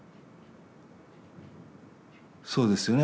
そうですよね